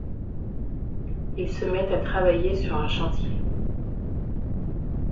Il se met à travailler sur un chantier.